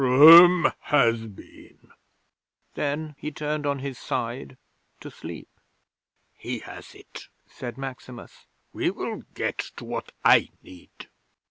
Rome has been!" Then he turned on his side to sleep. '"He has it," said Maximus. "We will get to what I need."